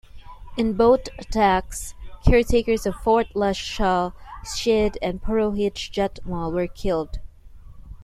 In both attacks caretakers of Fort Lalshah Syed and Purohit Jethmal were killed.